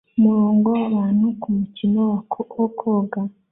Umurongo wabantu kumukino wa koga